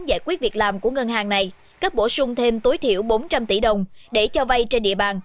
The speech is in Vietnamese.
giải quyết việc làm của ngân hàng này cấp bổ sung thêm tối thiểu bốn trăm linh tỷ đồng để cho vay trên địa bàn